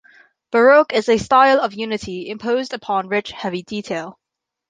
Baroque is a style of unity imposed upon rich, heavy detail.